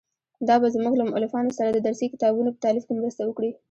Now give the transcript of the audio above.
دا به زموږ له مؤلفانو سره د درسي کتابونو په تالیف کې مرسته وکړي.